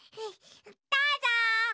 どうぞ！